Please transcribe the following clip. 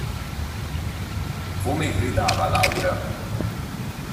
Come gridava Laura?